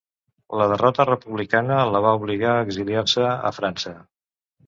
La derrota republicana la va obligar a exiliar-se a França.